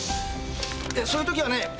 そういう時はね。